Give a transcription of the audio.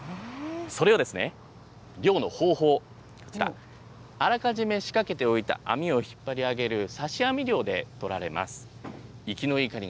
それをですね、漁の方法、こちら、あらかじめ仕掛けておいた網を引っ張り上げる刺し網漁で取られます。